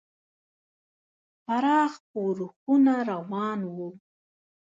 پراخ ښورښونه روان وو.